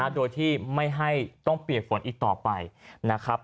โดยที่ไม่ให้ต้องเปียกฝนอีกต่อไปนะครับ